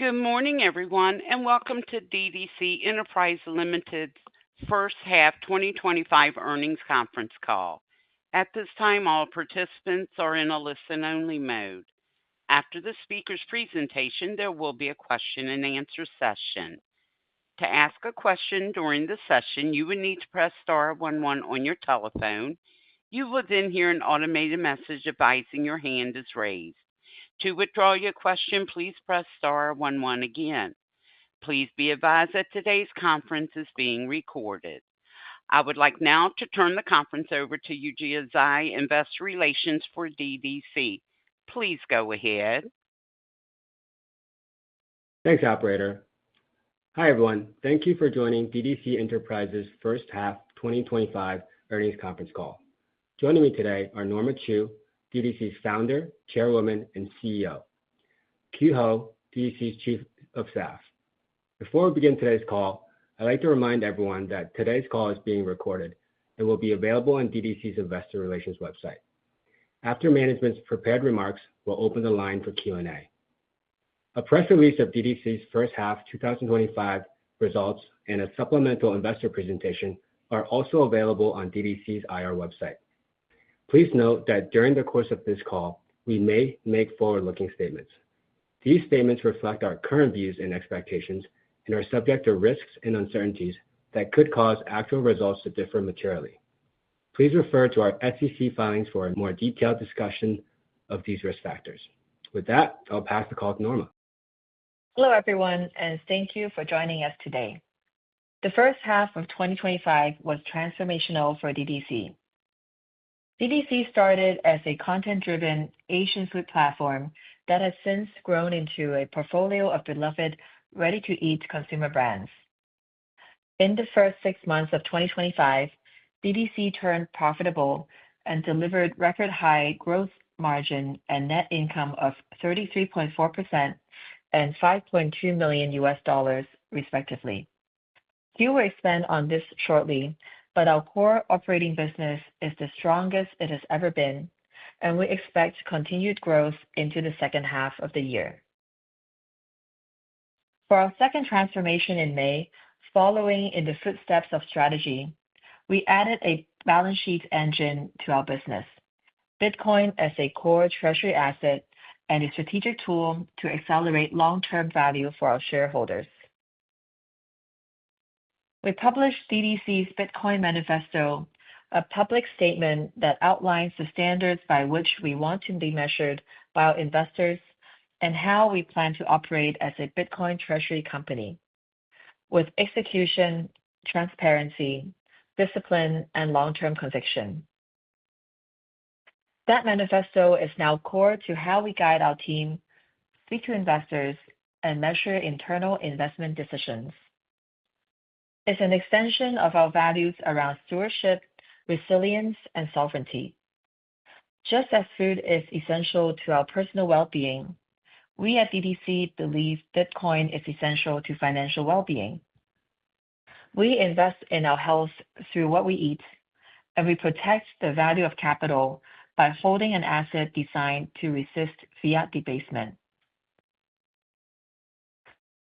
Good morning, everyone, and welcome to DDC Enterprise Limited's first half 2025 earnings conference call. At this time, all participants are in a listen-only mode. After the speaker's presentation, there will be a question-and-answer session. To ask a question during the session, you will need to press star 11 on your telephone. You will then hear an automated message advising your hand is raised. To withdraw your question, please press star 11 again. Please be advised that today's conference is being recorded. I would like now to turn the conference over to Yujia Zhai, investor relations for DDC. Please go ahead. Thanks, Operator. Hi, everyone. Thank you for joining DDC Enterprise's first half 2025 earnings conference call. Joining me today are Norma Chu, DDC's Founder, Chairwoman, and CEO. Kyu Ho, DDC's Chief of staff. Before we begin today's call, I'd like to remind everyone that today's call is being recorded and will be available on DDC's Investor Relations website. After management's prepared remarks, we'll open the line for Q&A. A press release of DDC's first half 2025 results and a supplemental investor presentation are also available on DDC's IR website. Please note that during the course of this call, we may make forward-looking statements. These statements reflect our current views and expectations and are subject to risks and uncertainties that could cause actual results to differ materially. Please refer to our SEC filings for a more detailed discussion of these risk factors. With that, I'll pass the call to Norma. Hello, everyone, and thank you for joining us today. The first half of 2025 was transformational for DDC. DDC started as a content-driven Asian food platform that has since grown into a portfolio of beloved ready-to-eat consumer brands. In the first six months of 2025, DDC turned profitable and delivered record-high gross margin and net income of 33.4% and $5.2 million, respectively. Yujia will expand on this shortly, but our core operating business is the strongest it has ever been, and we expect continued growth into the second half of the year. For our second transformation in May, following in the footsteps of MicroStrategy, we added a balance sheet engine to our business, Bitcoin as a core treasury asset and a strategic tool to accelerate long-term value for our shareholders. We published DDC's Bitcoin Manifesto, a public statement that outlines the standards by which we want to be measured by our investors and how we plan to operate as a Bitcoin treasury company with execution, transparency, discipline, and long-term conviction. That manifesto is now core to how we guide our team, speak to investors, and measure internal investment decisions. It's an extension of our values around stewardship, resilience, and sovereignty. Just as food is essential to our personal well-being, we at DDC believe Bitcoin is essential to financial well-being. We invest in our health through what we eat, and we protect the value of capital by holding an asset designed to resist fiat debasement.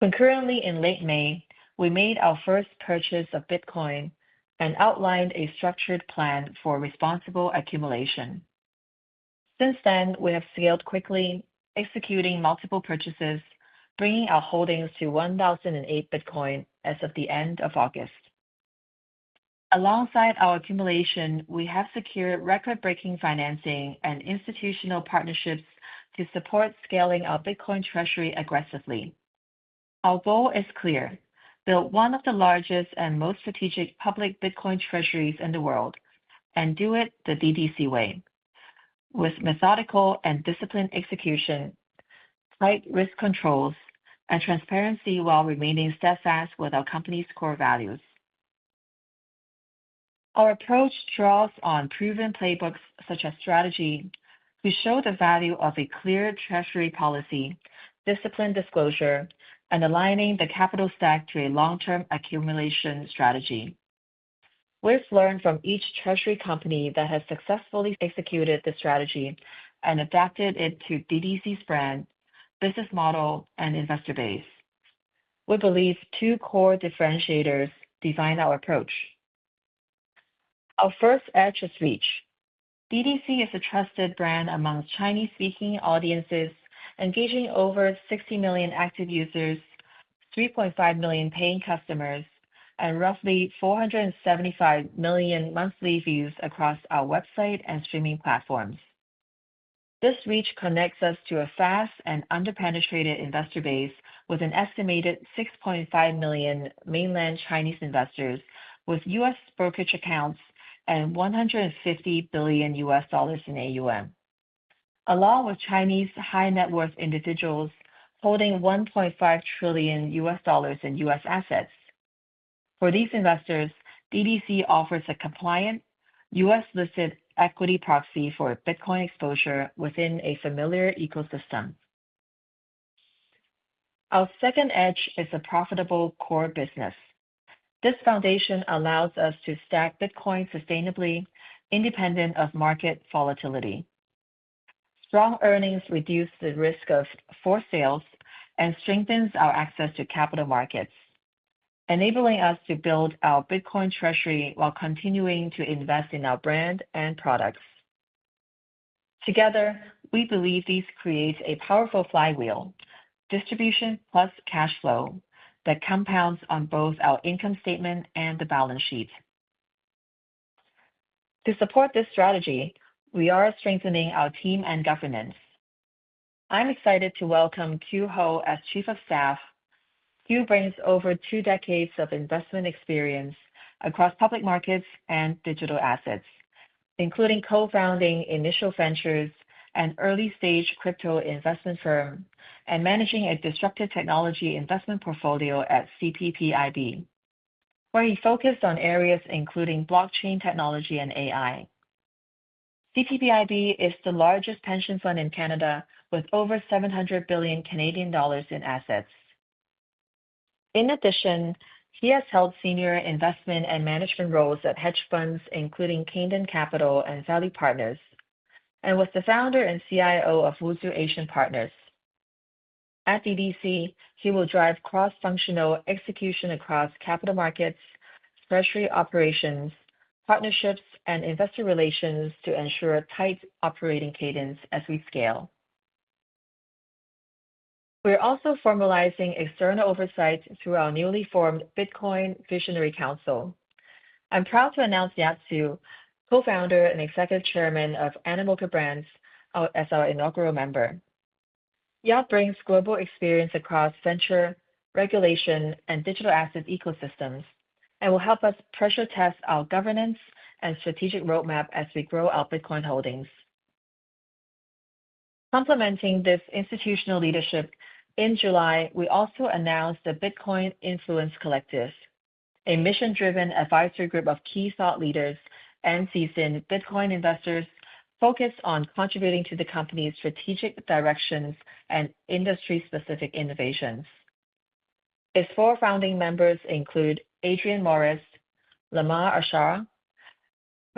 Concurrently, in late May, we made our first purchase of Bitcoin and outlined a structured plan for responsible accumulation. Since then, we have scaled quickly, executing multiple purchases, bringing our holdings to 1,008 Bitcoin as of the end of August. Alongside our accumulation, we have secured record-breaking financing and institutional partnerships to support scaling our Bitcoin treasury aggressively. Our goal is clear: build one of the largest and most strategic public Bitcoin treasuries in the world and do it the DDC way, with methodical and disciplined execution, tight risk controls, and transparency while remaining steadfast with our company's core values. Our approach draws on proven playbooks such as MicroStrategy, which show the value of a clear treasury policy, disciplined disclosure, and aligning the capital stack to a long-term accumulation strategy. We've learned from each treasury company that has successfully executed the MicroStrategy and adapted it to DDC's brand, business model, and investor base. We believe two core differentiators define our approach. Our first edge is reach. DDC is a trusted brand among Chinese-speaking audiences, engaging over 60 million active users, 3.5 million paying customers, and roughly 475 million monthly views across our website and streaming platforms. This reach connects us to a fast and under-penetrated investor base with an estimated 6.5 million mainland Chinese investors with U.S. brokerage accounts and $150 billion in AUM, along with Chinese high-net-worth individuals holding $1.5 trillion in U.S. assets. For these investors, DDC offers a compliant U.S.-listed equity proxy for Bitcoin exposure within a familiar ecosystem. Our second edge is a profitable core business. This foundation allows us to stack Bitcoin sustainably, independent of market volatility. Strong earnings reduce the risk of forced sales and strengthen our access to capital markets, enabling us to build our Bitcoin treasury while continuing to invest in our brand and products. Together, we believe this creates a powerful flywheel, distribution plus cash flow, that compounds on both our income statement and the balance sheet. To support this strategy, we are strengthening our team and governance. I'm excited to welcome Kyu Ho as Chief of Staff. Kyu brings over two decades of investment experience across public markets and digital assets, including co-founding Initial Ventures and early-stage crypto investment firm and managing a disruptive technology investment portfolio at CPPIB, where he focused on areas including blockchain technology and AI. CPPIB is the largest pension fund in Canada, with over $700 billion in assets. In addition, he has held senior investment and management roles at hedge funds including Kenetic Capital and Value Partners and was the founder and CIO of Wuzhu Asia Partners. At DDC, he will drive cross-functional execution across capital markets, treasury operations, partnerships, and investor relations to ensure a tight operating cadence as we scale. We're also formalizing external oversight through our newly formed Bitcoin Visionary Council. I'm proud to announce Yat Siu, co-founder and Executive Chairman of Animoca Brands as our inaugural member. Yat brings global experience across venture, regulation, and digital asset ecosystems and will help us pressure-test our governance and strategic roadmap as we grow our Bitcoin holdings. Complementing this institutional leadership, in July, we also announced the Bitcoin Influence Collective, a mission-driven advisory group of key thought leaders and seasoned Bitcoin investors focused on contributing to the company's strategic directions and industry-specific innovations. Its four founding members include Adrian Morris, Lama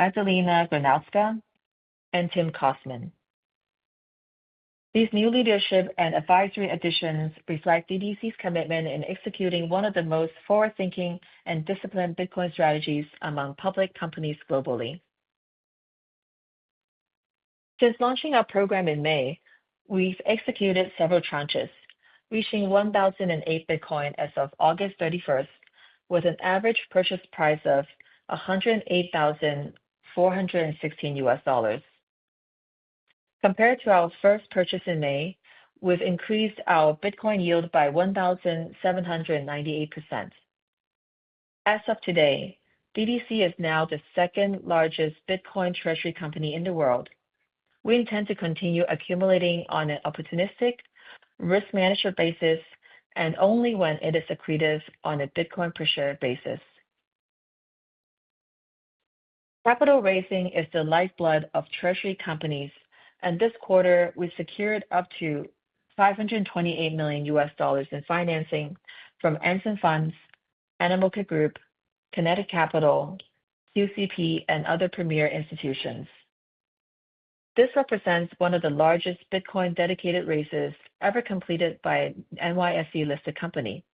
Ashour, Magdalena Gronowska, and Tim Kosmin. These new leadership and advisory additions reflect DDC's commitment in executing one of the most forward-thinking and disciplined Bitcoin strategies among public companies globally. Since launching our program in May, we've executed several tranches, reaching 1,008 Bitcoin as of August 31st, with an average purchase price of $108,416. Compared to our first purchase in May, we've increased our Bitcoin yield by 1,798%. As of today, DDC is now the second-largest Bitcoin treasury company in the world. We intend to continue accumulating on an opportunistic, risk-management basis, and only when it is accretive on a Bitcoin per-share basis. Capital raising is the lifeblood of treasury companies, and this quarter, we secured up to $528 million in financing from Anson Funds, Animoca Brands, Kenetic Capital, QCP, and other premier institutions. This represents one of the largest Bitcoin dedicated raises ever completed by an NYSE-listed company.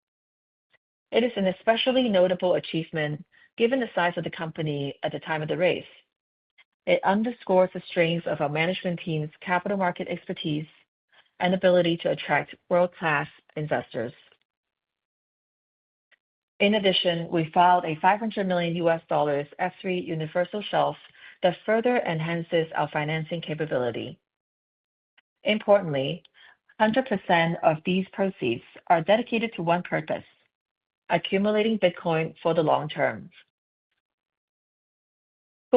It is an especially notable achievement given the size of the company at the time of the raise. It underscores the strength of our management team's capital market expertise and ability to attract world-class investors. In addition, we filed a $500 million F-3 universal shelf that further enhances our financing capability. Importantly, 100% of these proceeds are dedicated to one purpose: accumulating Bitcoin for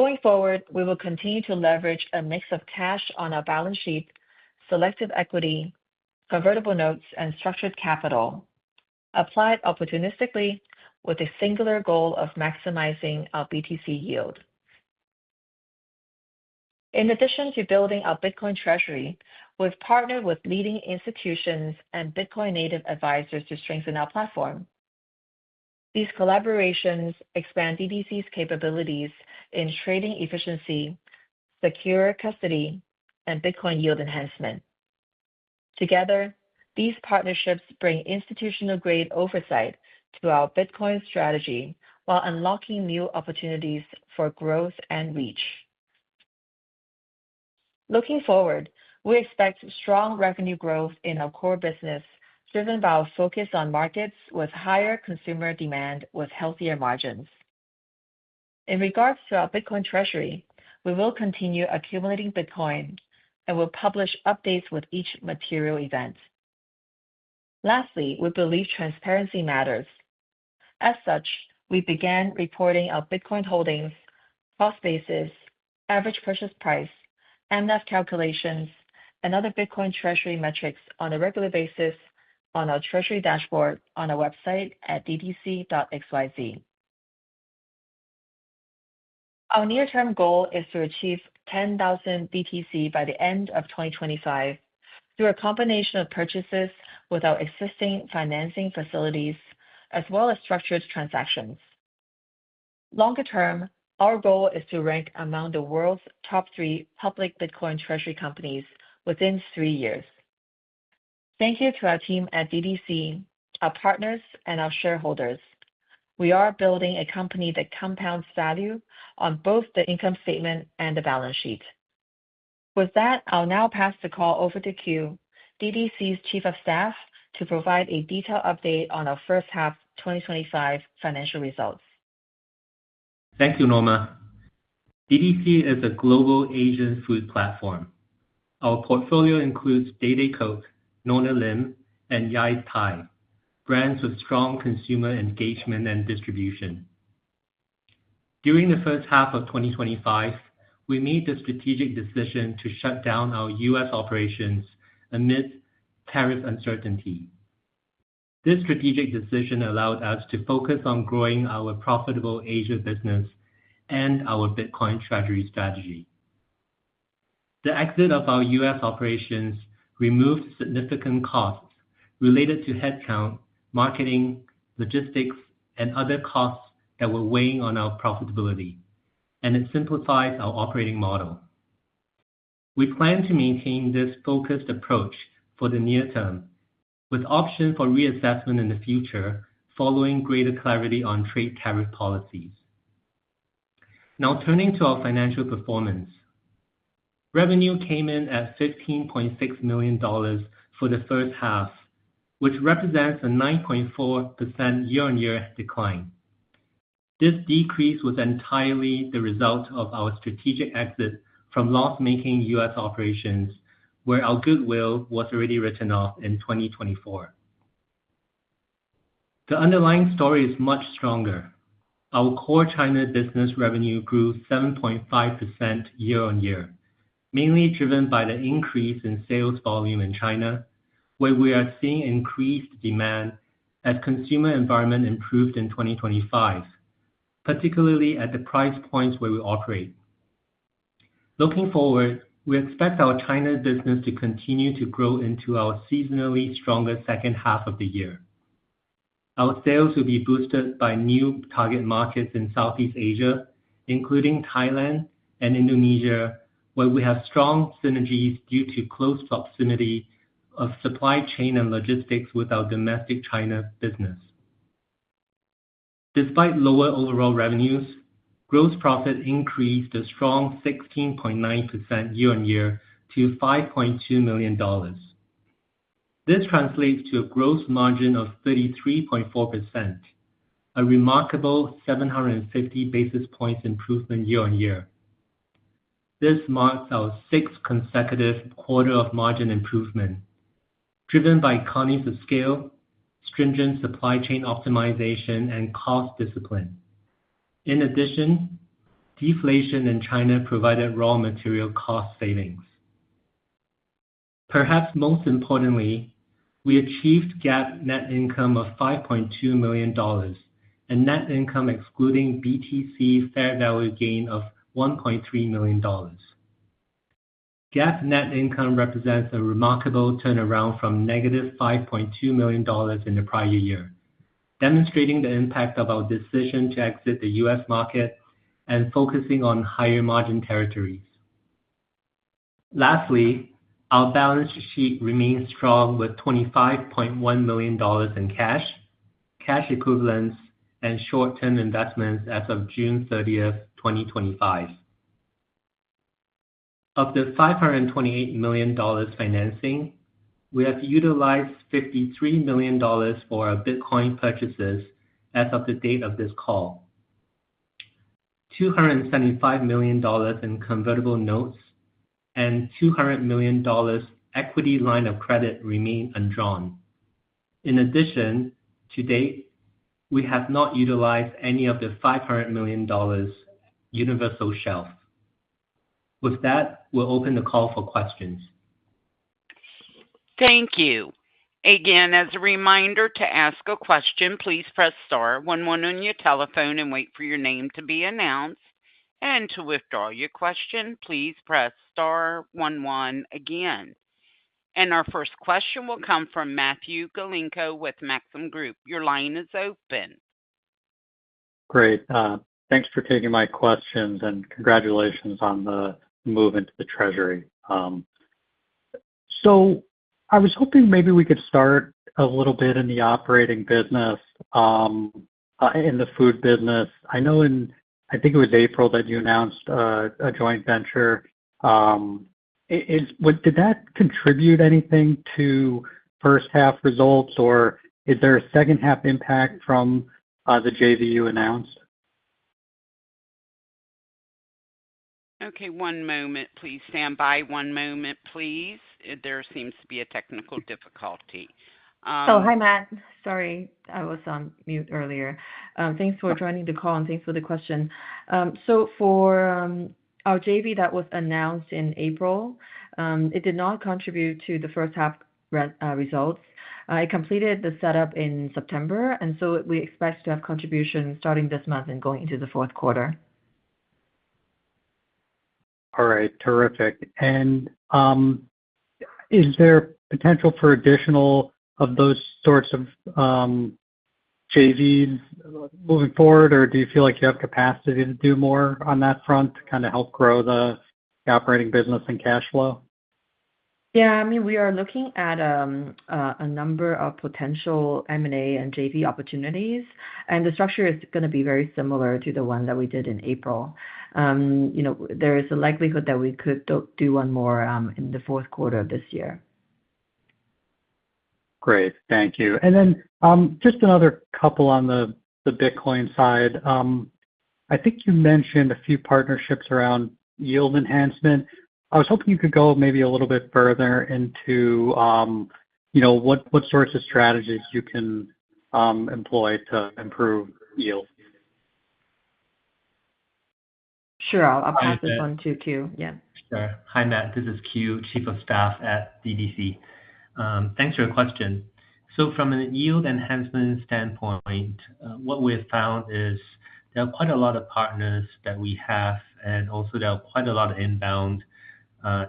the long term. Going forward, we will continue to leverage a mix of cash on our balance sheet, selective equity, convertible notes, and structured capital, applied opportunistically with a singular goal of maximizing our BTC yield. In addition to building our Bitcoin treasury, we've partnered with leading institutions and Bitcoin-native advisors to strengthen our platform. These collaborations expand DDC's capabilities in trading efficiency, secure custody, and Bitcoin yield enhancement. Together, these partnerships bring institutional-grade oversight to our Bitcoin strategy while unlocking new opportunities for growth and reach. Looking forward, we expect strong revenue growth in our core business, driven by a focus on markets with higher consumer demand with healthier margins. In regards to our Bitcoin treasury, we will continue accumulating Bitcoin and will publish updates with each material event. Lastly, we believe transparency matters. As such, we began reporting our Bitcoin holdings, cost basis, average purchase price, mNAV calculations, and other Bitcoin treasury metrics on a regular basis on our treasury dashboard on our website at ddc.xyz. Our near-term goal is to achieve 10,000 BTC by the end of 2025 through a combination of purchases with our existing financing facilities, as well as structured transactions. Longer term, our goal is to rank among the world's top three public Bitcoin treasury companies within three years. Thank you to our team at DDC, our partners, and our shareholders. We are building a company that compounds value on both the income statement and the balance sheet. With that, I'll now pass the call over to Kyu, DDC's Chief of Staff, to provide a detailed update on our first half 2025 financial results. Thank you, Norma. DDC is a global Asian food platform. Our portfolio includes DayDayCook, Nona Lim, and Yai's Thai, brands with strong consumer engagement and distribution. During the first half of 2025, we made the strategic decision to shut down our U.S. operations amid tariff uncertainty. This strategic decision allowed us to focus on growing our profitable Asia business and our Bitcoin treasury strategy. The exit of our U.S. operations removed significant costs related to headcount, marketing, logistics, and other costs that were weighing on our profitability, and it simplified our operating model. We plan to maintain this focused approach for the near term, with options for reassessment in the future following greater clarity on trade tariff policies. Now turning to our financial performance, revenue came in at $15.6 million for the first half, which represents a 9.4% year-on-year decline. This decrease was entirely the result of our strategic exit from loss-making U.S. operations, where our goodwill was already written off in 2024. The underlying story is much stronger. Our core China business revenue grew 7.5% year-on-year, mainly driven by the increase in sales volume in China, where we are seeing increased demand as consumer environment improved in 2025, particularly at the price points where we operate. Looking forward, we expect our China business to continue to grow into our seasonally stronger second half of the year. Our sales will be boosted by new target markets in Southeast Asia, including Thailand and Indonesia, where we have strong synergies due to close proximity of supply chain and logistics with our domestic China business. Despite lower overall revenues, gross profit increased a strong 16.9% year-on-year to $5.2 million. This translates to a gross margin of 33.4%, a remarkable 750 basis points improvement year-on-year. This marks our sixth consecutive quarter of margin improvement, driven by economies of scale, stringent supply chain optimization, and cost discipline. In addition, deflation in China provided raw material cost savings. Perhaps most importantly, we achieved GAAP net income of $5.2 million and net income excluding BTC fair value gain of $1.3 million. GAAP net income represents a remarkable turnaround from negative $5.2 million in the prior year, demonstrating the impact of our decision to exit the U.S. market and focusing on higher margin territories. Lastly, our balance sheet remains strong with $25.1 million in cash, cash equivalents, and short-term investments as of June 30, 2025. Of the $528 million financing, we have utilized $53 million for our Bitcoin purchases as of the date of this call. $275 million in convertible notes and $200 million equity line of credit remain undrawn. In addition, to date, we have not utilized any of the $500 million universal shelf. With that, we'll open the call for questions. Thank you. Again, as a reminder to ask a question, please press star 11 on your telephone and wait for your name to be announced. And to withdraw your question, please press star 11 again. And our first question will come from Matthew Galinko with Maxim Group. Your line is open. Great. Thanks for taking my questions and congratulations on the move into the treasury. So I was hoping maybe we could start a little bit in the operating business, in the food business. I think it was April that you announced a joint venture. Did that contribute anything to first-half results, or is there a second-half impact from the JV you announced? Okay. One moment, please. Stand by one moment, please. There seems to be a technical difficulty. Oh, hi, Matt. Sorry. I was on mute earlier. Thanks for joining the call and thanks for the question. So for our JV that was announced in April, it did not contribute to the first-half results. It completed the setup in September, and so we expect to have contributions starting this month and going into the fourth quarter. All right. Terrific. And is there potential for additional of those sorts of JVs moving forward, or do you feel like you have capacity to do more on that front to kind of help grow the operating business and cash flow? Yeah. I mean, we are looking at a number of potential M&A and JV opportunities, and the structure is going to be very similar to the one that we did in April. There is a likelihood that we could do one more in the fourth quarter of this year. Great. Thank you. And then just another couple on the Bitcoin side. I think you mentioned a few partnerships around yield enhancement. I was hoping you could go maybe a little bit further into what sorts of strategies you can employ to improve yield. Sure. I'll pass this one to Kyu. Yeah. Sure. Hi, Matt. This is Kyu Ho, Chief of Staff at DDC. Thanks for your question. So from a yield enhancement standpoint, what we have found is there are quite a lot of partners that we have, and also there are quite a lot of inbound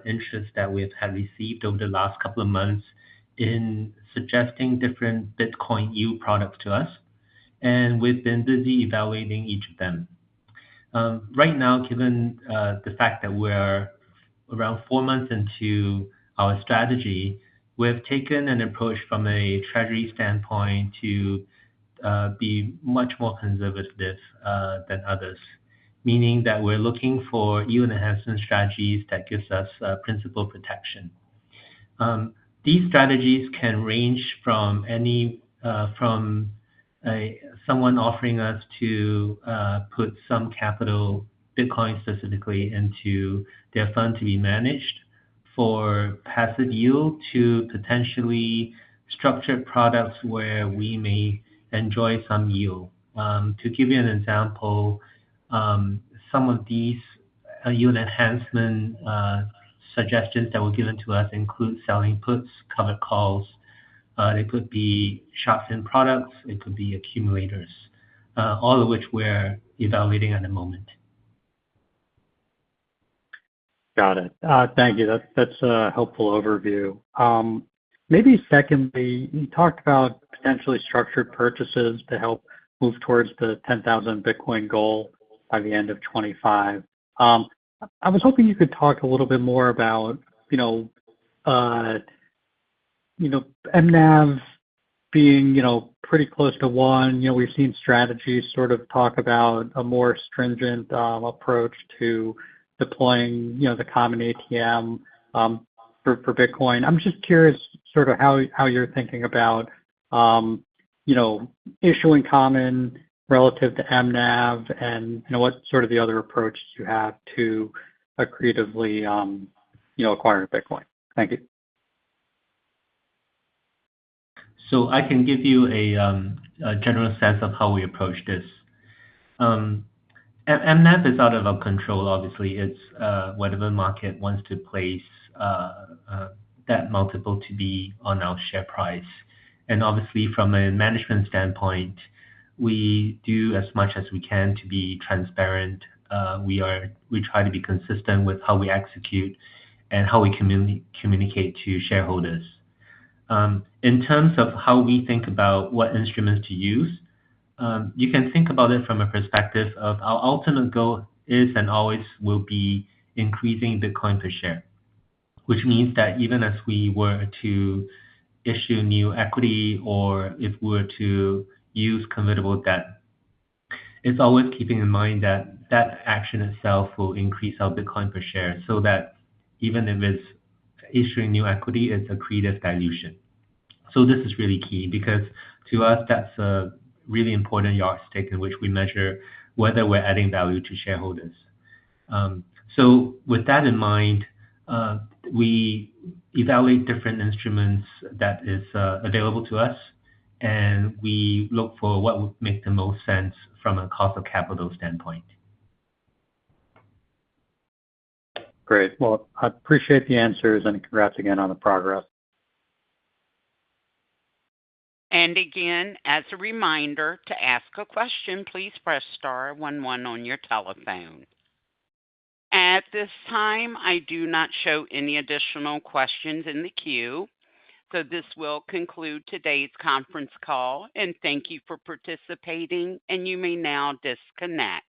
interests that we have received over the last couple of months in suggesting different Bitcoin yield products to us. And we've been busy evaluating each of them. Right now, given the fact that we're around four months into our strategy, we have taken an approach from a treasury standpoint to be much more conservative than others, meaning that we're looking for yield enhancement strategies that give us principal protection. These strategies can range from someone offering us to put some capital, Bitcoin specifically, into their fund to be managed for passive yield to potentially structured products where we may enjoy some yield. To give you an example, some of these yield enhancement suggestions that were given to us include selling puts, covered calls. They could be structured products. It could be accumulators, all of which we're evaluating at the moment. Got it. Thank you. That's a helpful overview. Maybe secondly, you talked about potentially structured purchases to help move towards the 10,000 Bitcoin goal by the end of 2025. I was hoping you could talk a little bit more about mNAV being pretty close to one. We've seen MicroStrategy sort of talk about a more stringent approach to deploying the common ATM for Bitcoin. I'm just curious sort of how you're thinking about issuing common relative to mNAV and what sort of the other approaches you have to creatively acquire Bitcoin. Thank you. So I can give you a general sense of how we approach this. mNAV is out of our control, obviously. It's whatever market wants to place that multiple to be on our share price, and obviously, from a management standpoint, we do as much as we can to be transparent. We try to be consistent with how we execute and how we communicate to shareholders. In terms of how we think about what instruments to use, you can think about it from a perspective of our ultimate goal is and always will be increasing Bitcoin per share, which means that even as we were to issue new equity or if we were to use convertible debt, it's always keeping in mind that that action itself will increase our Bitcoin per share so that even if it's issuing new equity, it's a creative dilution. So this is really key because to us, that's a really important yardstick in which we measure whether we're adding value to shareholders. So with that in mind, we evaluate different instruments that are available to us, and we look for what would make the most sense from a cost of capital standpoint. Great. Well, I appreciate the answers and congrats again on the progress. And again, as a reminder to ask a question, please press star 11 on your telephone. At this time, I do not show any additional questions in the queue. So this will conclude today's conference call, and thank you for participating, and you may now disconnect.